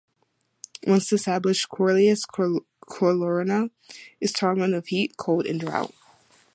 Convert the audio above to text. Once established "Corylus colurna" is tolerant of heat, cold, and drought.